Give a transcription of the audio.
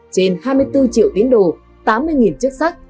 trên hai mươi bốn triệu tiến đồ tám mươi chức sách